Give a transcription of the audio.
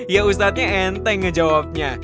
ya ustadznya enteng ngejawabnya